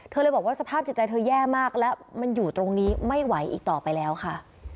เลยบอกว่าสภาพจิตใจเธอแย่มากและมันอยู่ตรงนี้ไม่ไหวอีกต่อไปแล้วค่ะ